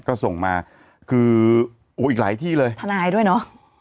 ก็ส่งมาคือโอ้อีกหลายที่เลยทนายด้วยเนอะ